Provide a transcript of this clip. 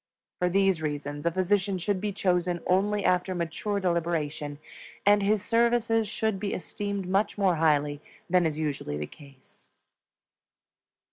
For these reasons a physician should be chosen only after mature deliberation, and his services should be esteemed much more highly than is usually the case.